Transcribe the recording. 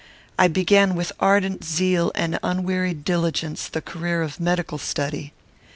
I began with ardent zeal and unwearied diligence the career of medical study.